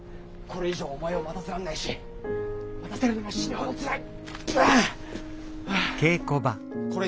これ以上お前を待たせられないし待たせるのも死ぬほどつらい！